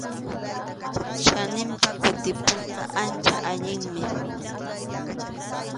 Chaninpi kutipakuyqa ancha allinmi.